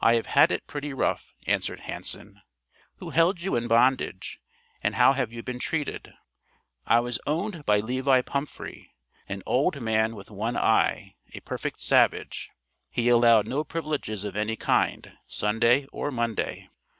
"I have had it pretty rough," answered Hanson. "Who held you in bondage, and how have you been treated?" "I was owned by Levi Pumphrey, an old man with one eye, a perfect savage; he allowed no privileges of any kind, Sunday or Monday."